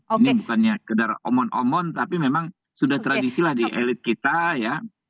ini bukannya sekedar omon omon tapi memang sudah tradisi lah di elit kita ya